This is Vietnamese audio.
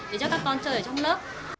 để cho các con chơi ở trong lớp